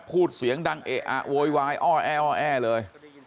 พูดเสียงดังเอะอะโวยวายอ้อแอ้อแอเลย